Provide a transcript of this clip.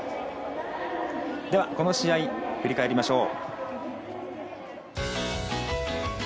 ではこの試合、振り返りましょう。